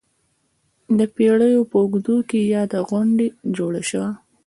د پېړیو په اوږدو کې یاده غونډۍ جوړه شوه.